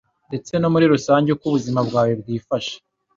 ndetse no muri rusange uko ubuzima bwawe bwifashe.